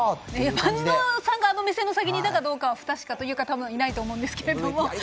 播戸さんがあの目線の先にいたかどうかは不確かというかたぶんいないと思うんですけれど。